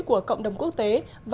của cộng đồng quốc tế